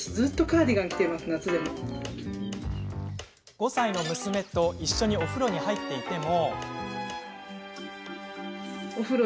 ５歳の娘と一緒にお風呂に入っていても。